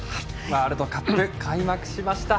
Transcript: ワールドカップ開幕しました。